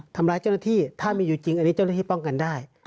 ทำร้ายเจ้าหน้าที่ถ้ามีอยู่จริงอันนี้เจ้าหน้าที่ป้องกันได้